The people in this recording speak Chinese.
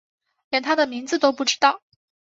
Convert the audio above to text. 连他的名字都不知道